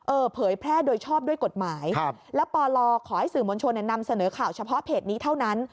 เผยแพร่โดยชอบด้วยกฎหมายครับแล้วปลขอให้สื่อมวลชนนำเสนอข่าวเฉพาะเพจนี้เท่านั้น